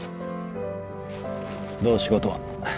どう仕事は？